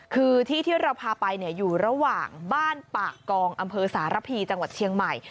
คือที่ที่เราพาไปอยู่ระหว่างบ้านปากกองอำเภอสารพีจังหวัดเชียงใหม่